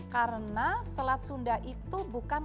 karena selat sunda itu berada di selatan